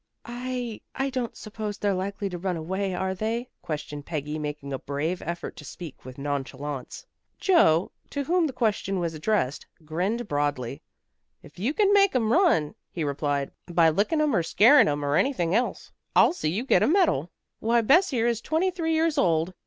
"I I don't suppose they're likely to run away, are they?" questioned Peggy, making a brave effort to speak with nonchalance. Joe, to whom the question was addressed, grinned broadly. "If you can make 'em run," he replied, "by licking 'em or scaring 'em or anything else, I'll see you get a medal. Why, Bess here is twenty three years old."